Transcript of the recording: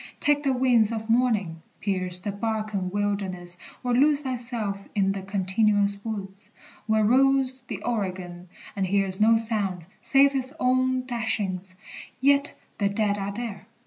Take the wings Of morning, pierce the Barcan wilderness, Or lose thyself in the continuous woods Where rolls the Oregon, and hears no sound Save his own dashings, yet the dead are there!